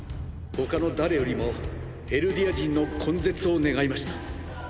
他の誰よりもエルディア人の根絶を願いました。